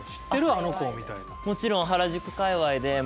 あの子」みたいな。